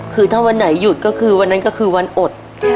คือถ้าวันไหนหยุดก็คือวันนั้นก็คือวันอด